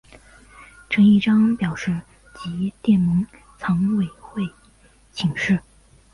陈锡璋表示即电蒙藏委员会请示。